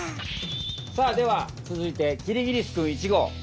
さあではつづいてキリギリスくん１号。